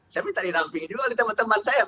saya minta didampingi juga oleh teman teman saya